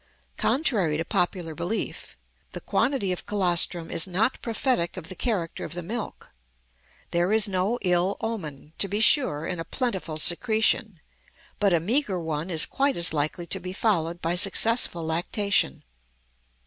Contrary to popular belief, the quantity of colostrum is not prophetic of the character of the milk; there is no ill omen, to be sure, in a plentiful secretion, but a meager one is quite as likely to be followed by successful lactation.